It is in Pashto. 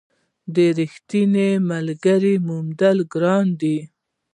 د رښتیني ملګري موندل ګران دي.